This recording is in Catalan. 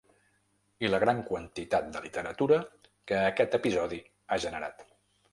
I la gran quantitat de literatura que aquest episodi ha generat.